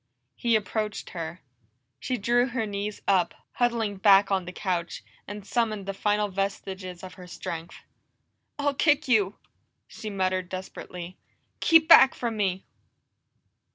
He approached her. She drew her knees up, huddling back on the couch, and summoned the final vestiges of her strength. "I'll kick you!" she muttered desperately. "Keep back from me!"